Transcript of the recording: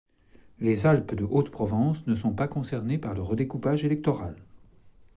Les Alpes-de-Haute-Provence ne sont pas concernées par le redécoupage électoral.